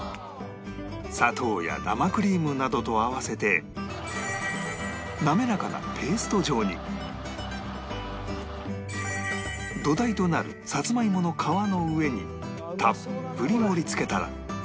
砂糖や生クリームなどと合わせて土台となるサツマイモの皮の上にたっぷり盛り付けたら